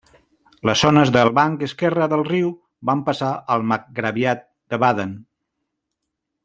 Les zones del banc esquerre del riu van passar al Marcgraviat de Baden.